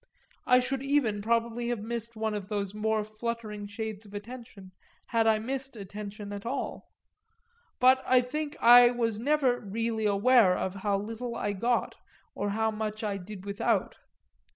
I should even probably have missed one of these more flattering shades of attention had I missed attention at all; but I think I was never really aware of how little I got or how much I did without.